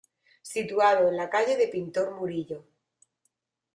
Situado en la calle de Pintor Murillo.